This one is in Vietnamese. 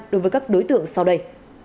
đối với các đối tượng sau đây